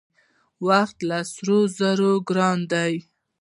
وخت له سرو زرو ګران دی .